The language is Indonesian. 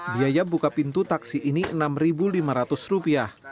biaya buka pintu taksi ini rp enam lima ratus